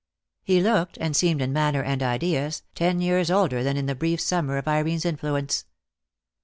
He looked, and seemed in manner and ideas, ten years older than in the brief summer of Irene's influence.